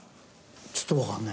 ちょっとわかんない。